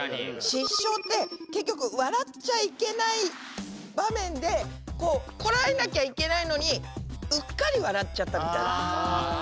失笑って結局笑っちゃいけない場面でこらえなきゃいけないのにうっかり笑っちゃったみたいな。